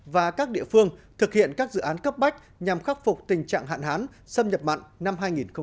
và các địa phương thực hiện các dự án cấp bách nhằm khắc phục tình trạng hạn hán xâm nhập mặn năm hai nghìn hai mươi